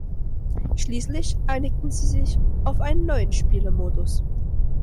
Schließlich einigten sie sich auf einen neuen Spielmodus.